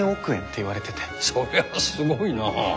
そりゃすごいな。